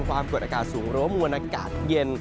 ความกดอากาศสูงหรือว่ามวลอากาศเย็น